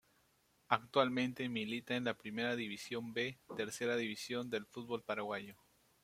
Actualmente milita en la Primera División B tercera división del fútbol paraguayo.